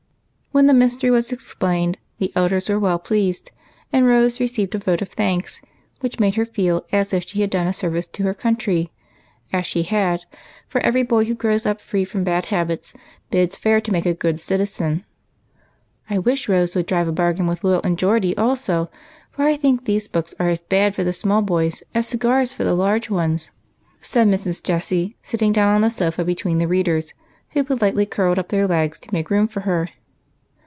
When the mystery was explained, the elders were well pleased, and Rose received a vote of thanks, which made her feel as if she had done a service to her country, as she had, for every boy wlio grows up free from bad habits bids fair to make a good citizen. "I wish Rose would drive a baro; ain with Will GOOD BARGAINS. 197 and Geordie also, for I think these books are as bad for the small boys as cigars for the large ones," said Mrs. Jessie, sitting down on the sofa between the readers, who politely curled up their legs to make room for her.